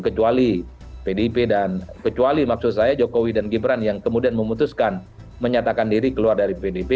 kecuali pdip dan kecuali maksud saya jokowi dan gibran yang kemudian memutuskan menyatakan diri keluar dari pdip